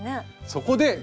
そこで！